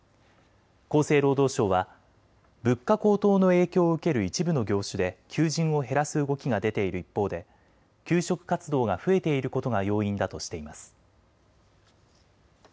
厚生労働省は物価高騰の影響を受ける一部の業種で求人を減らす動きが出ている一方で求職活動が増えていることが要因だとしています。